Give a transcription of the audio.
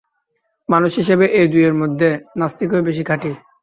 মানুষ-হিসাবে এ দুয়ের মধ্যে নাস্তিকই বেশী খাঁটি।